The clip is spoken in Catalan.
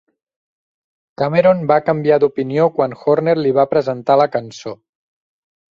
Cameron va canviar d'opinió quan Horner li va presentar la cançó.